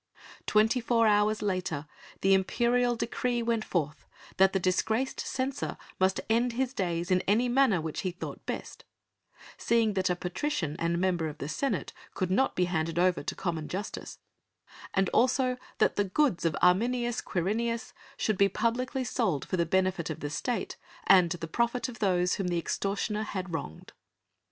Twenty four hours later the imperial decree went forth that the disgraced censor must end his days in any manner which he thought best seeing that a patrician and member of the Senate could not be handed over to common justice and also that the goods of Arminius Quirinius should be publicly sold for the benefit of the State and the profit of those whom the extortioner had wronged.